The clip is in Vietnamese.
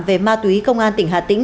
về ma túy công an tỉnh hà tĩnh